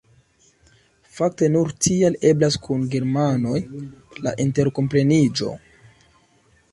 Fakte nur tial eblas kun germanoj la interkompreniĝo.